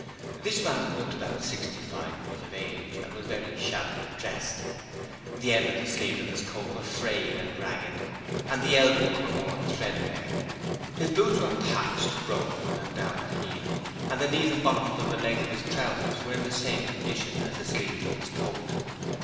This man looked about sixty five years of age, and was very shabbily dressed. The ends of the sleeves of his coat were frayed and ragged, and the elbows were worn threadbare. His boots were patched, broken, and down at heel, and the knees and bottoms of the legs of his trousers were in the same condition as the sleeves of his coat.